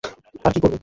আর কী করব?